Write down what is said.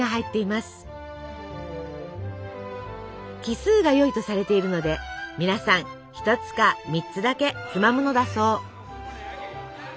奇数がよいとされているので皆さん１つか３つだけつまむのだそう。